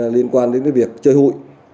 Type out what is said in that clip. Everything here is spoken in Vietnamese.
liên quan đến cái việc chơi hụi